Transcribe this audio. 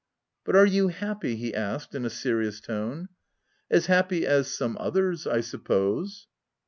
But are you happy ?" he asked in a serious tone. " As happy as some others, I suppose."